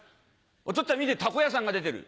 「おとっつぁん見て凧屋さんが出てる」。